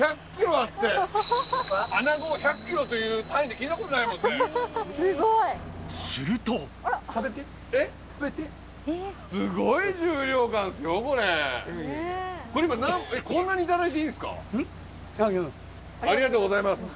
ありがとうございます。